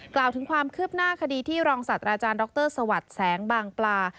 กล่าวถึงความคืบหน้าคดีที่รองศัตว์อาจารย์ดรสวัสดิ์แสงบางปลา